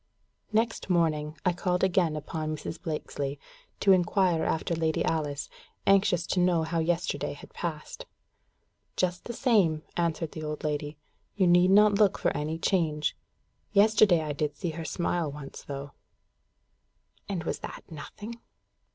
Next morning, I called again upon Mrs. Blakesley, to inquire after Lady Alice, anxious to know how yesterday had passed. "Just the same," answered the old lady. "You need not look for any change. Yesterday I did see her smile once, though." And was that nothing?